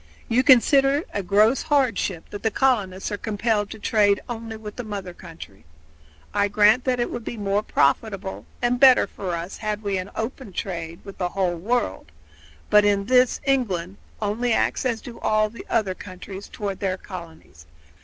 You consider it a gross hardship that the colonists are compelled to trade only with the mother country. I grant that it would be more profitable and better for us had we an open trade with the whole world; but in this England only acts as do all other countries toward their colonies.